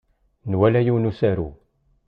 Nwala yiwen n usaru.